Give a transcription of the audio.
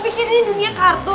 lo pikir ini dunia kartun